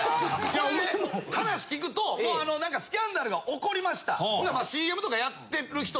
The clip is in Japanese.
それで話聞くとスキャンダルが起こりました。